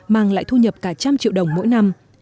mang lại thu nhập cả trăm triệu đồng mỗi năm